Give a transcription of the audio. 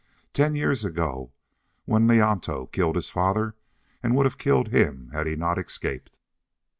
Ten years ago, when Leonto killed his father and would have killed him had he not escaped!"